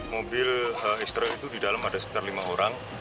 mobil ekstra itu di dalam ada sekitar lima orang